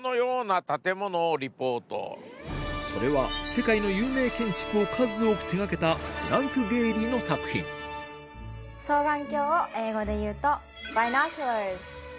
それは世界の有名建築を数多く手がけたフランク・ゲーリーの作品「双眼鏡」を英語で言うと。